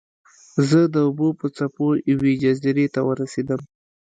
زه د اوبو په څپو یوې جزیرې ته ورسیدم.